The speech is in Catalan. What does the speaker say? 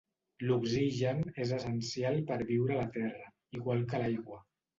L'oxigen és essencial per viure a la Terra, igual que l'aigua.